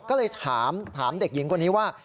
ก็เลยถามเด็กหญิงคนนี้ว่า